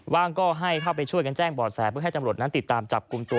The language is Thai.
ว่างก็ให้เข้าไปช่วยกันแจ้งบ่อแสเพื่อให้ตำรวจนั้นติดตามจับกลุ่มตัว